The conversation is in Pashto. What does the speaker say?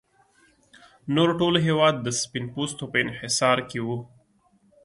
نور ټول هېواد د سپین پوستو په انحصار کې و.